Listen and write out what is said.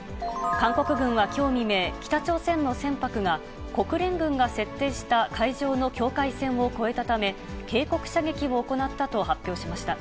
韓国軍はきょう未明、北朝鮮の船舶が、国連軍が設定した海上の境界線を越えたため、警告射撃を行ったと発表しました。